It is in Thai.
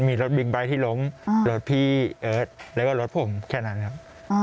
มีรถบิ๊กไบท์ที่ล้มรถพี่เอิร์ทแล้วก็รถผมแค่นั้นครับ